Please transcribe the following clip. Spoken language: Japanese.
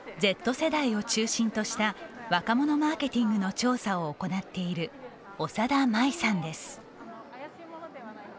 Ｚ世代を中心とした若者マーケティングの調査を行っている長田麻衣さんです。